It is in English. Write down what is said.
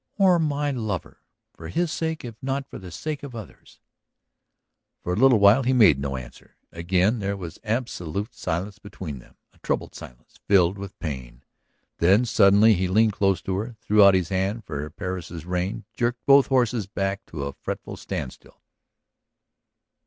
"Or my lover. For his sake if not for the sake of others." For a little while he made no answer. Again there was absolute silence between him, a troubled silence filled with pain. Then suddenly he leaned close to her, threw out his hand for Persis's rein, jerked both horses back to a fretful standstill.